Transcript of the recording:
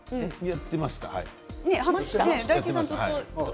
やっていました。